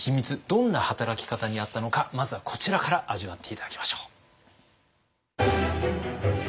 どんな働き方にあったのかまずはこちらから味わって頂きましょう。